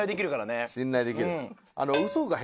信頼できる。